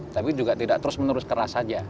tapi juga tidak terus menerus keras saja